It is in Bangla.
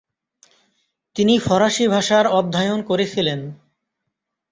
তিনি ফরাসি ভাষার অধ্যয়ন করেছিলেন।